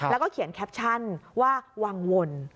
แล้วก็เขียนแคปชั่นว่าวังวล